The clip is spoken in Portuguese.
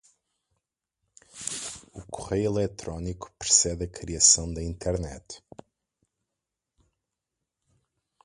O correio eletrónico precede a criação da Internet.